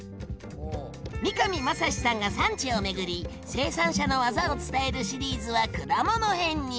三上真史さんが産地を巡り生産者のわざを伝えるシリーズは果物編に！